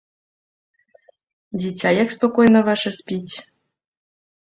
Дзіця як спакойна ваша спіць.